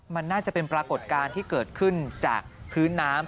มันน่าจะเป็นปรากฏการณ์ที่เกิดขึ้นจากพื้นน้ำ